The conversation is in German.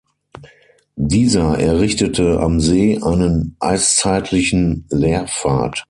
Dieser errichtete am See einen eiszeitlichen Lehrpfad.